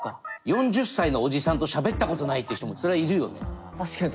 ４０歳のおじさんとしゃべったことないって人もそりゃいるよね。